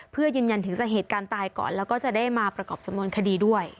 เพื่อยืนยันถึงสาเหตุการณ์ตายก่อนแล้วก็จะได้มาประกอบสำนวนคดีด้วย